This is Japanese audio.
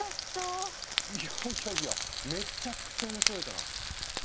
いやいやいやめちゃくちゃ面白いから。